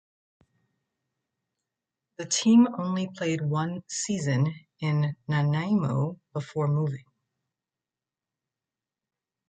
The team only played one season in Nanaimo before moving.